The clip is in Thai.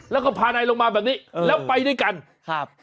แล้วก็พานายลงมาแบบนี้แล้วไปด้วยกันครับ